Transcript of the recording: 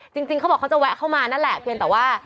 จริงเขาบอกเขาจะแวะเข้ามานั่นแหละเพียงแต่ว่า